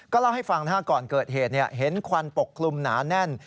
เล่าให้ฟังก่อนเกิดเหตุเห็นควันปกคลุมหนาแน่น